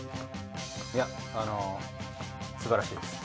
いやあのすばらしいです。